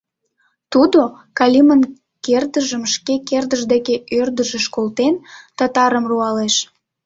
Тудо, Калимын кердыжым шке кердыж дене ӧрдыжыш колтен, татарым руалеш.